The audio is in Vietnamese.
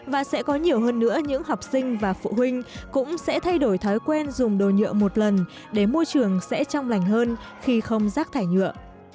và sẽ có nhiều hơn nữa những học sinh và phụ huynh cũng sẽ thay đổi thói quen dùng đồ nhựa một lần để môi trường sẽ trong lành hơn khi không rác thải nhựa